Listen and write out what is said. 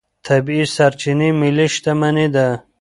طبیعي سرچینې ملي شتمني ده.